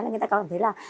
là người ta có cảm thấy là